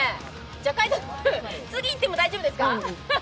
じゃあ、海音君、次行っても大丈夫ですか？